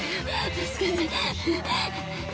助けて。